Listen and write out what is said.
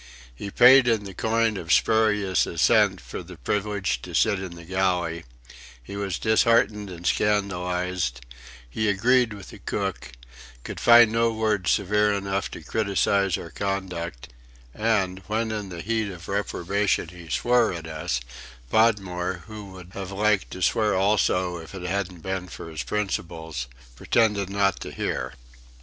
He paid in the coin of spurious assent for the privilege to sit in the galley; he was disheartened and scandalised; he agreed with the cook; could find no words severe enough to criticise our conduct; and when in the heat of reprobation he swore at us, Podmore, who would have liked to swear also if it hadn't been for his principles, pretended not to hear.